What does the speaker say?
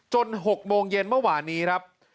๖โมงเย็นเมื่อวานนี้ครับ